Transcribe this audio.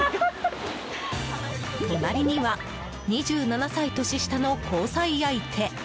隣には２７歳年下の交際相手。